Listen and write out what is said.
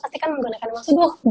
pasti kan menggunakan maksudnya